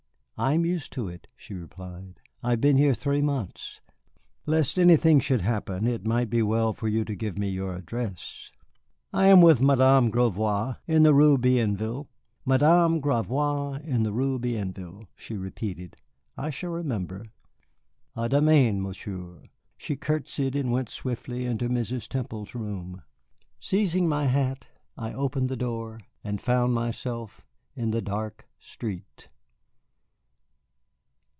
"I am used to it," she replied; "I have been here three months. Lest anything should happen, it might be well for you to give me your address." "I am with Madame Gravois, in the Rue Bienville." "Madame Gravois, in the Rue Bienville," she repeated. "I shall remember. À demain, Monsieur." She courtesied and went swiftly into Mrs. Temple's room. Seizing my hat, I opened the door and found myself in the dark street.